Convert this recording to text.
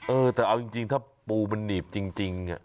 เออเอายังจริงถ้าปูมันหนีบจริง